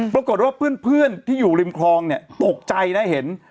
ปรากฏว่าเพื่อนที่อยู่ริมคลองเนี่ยตกใจนะเห็น